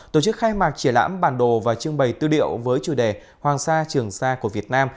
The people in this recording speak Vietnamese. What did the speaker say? tổ chức khai mạc triển lãm bản đồ và trưng bày tư điệu với chủ đề hoàng sa trường sa của việt nam